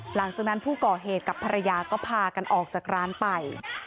หลังจากนั้นผู้ก่อเหตุกับภรรยาก็พากันออกจากร้านไป